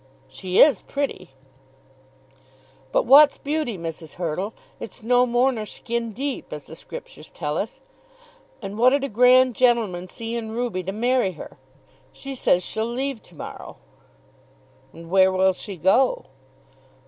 "She is pretty!" "But what's beauty, Mrs. Hurtle? It's no more nor skin deep, as the scriptures tell us. And what'd a grand gentleman see in Ruby to marry her? She says she'll leave to morrow." "And where will she go?"